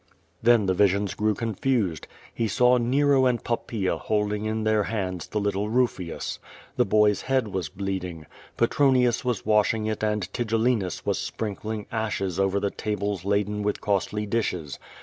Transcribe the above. Then the visions grew confused. He saw Xero and Pop j>aea holding in their hands the little Rufius. The boy's head was bleeding. Petronius was washing it and Tigellinu^ was sprinkling ashes over the tables laden with costly dishes.